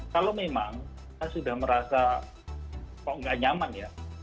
kalau memang kita sudah merasa kok nggak nyaman ya